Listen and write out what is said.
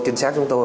trinh sát chúng tôi